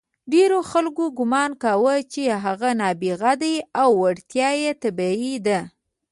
ډېرو خلکو ګمان کاوه چې هغه نابغه دی او وړتیا یې طبیعي ده.